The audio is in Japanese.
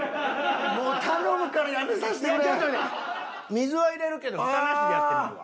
水は入れるけど蓋なしでやってみるわ。